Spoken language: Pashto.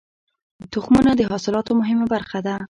تخمونه د حاصلاتو مهمه برخه ده.